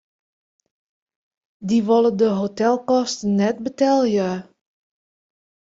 Dy wolle de hotelkosten net betelje.